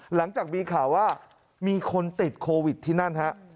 หลังจากมีข่าวว่ามีคนติดโควิดที่นั่นฮะ